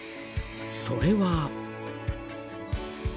それは。